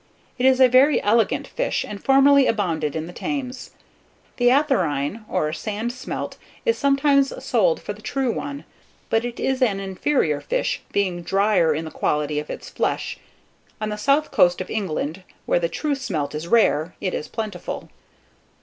It is a very elegant fish, and formerly abounded in the Thames. The Atharine, or sand smelt, is sometimes sold for the true one; but it is an inferior fish, being drier in the quality of its flesh. On the south coast of England, where the true smelt is rare, it is plentiful.